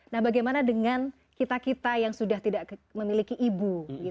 nah bagaimana dengan kita kita yang sudah tidak memiliki ibu